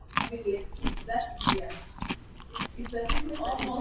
Mnamo mwaka thelathini au thelathini na tatu alikamatwa na baraza la Israeli